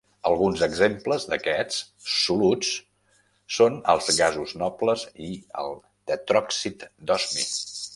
Alguns exemples d'aquests soluts són els gasos nobles i el tetròxid d'osmi.